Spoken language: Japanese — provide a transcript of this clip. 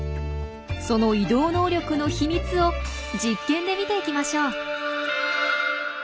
その移動能力の秘密を実験で見ていきましょう。